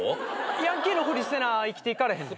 ヤンキーのふりせな生きていかれへんねん。